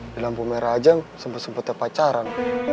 di lampu merah ajang sempat sempatnya pacaran